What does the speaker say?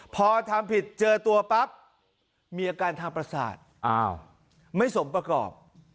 พอทำผิดเจอตัวปั๊บมีอาการทางประสาทไม่สมประกอบ